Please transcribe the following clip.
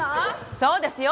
そうですよ。